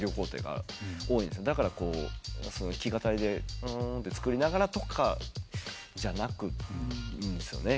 だから弾き語りで「フーン」って作りながらとかじゃないんですよね。